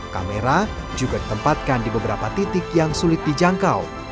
kamera juga ditempatkan di beberapa titik yang sulit dijangkau